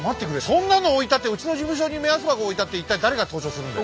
そんなの置いたってうちの事務所に目安箱置いたって一体誰が投書するんだよ。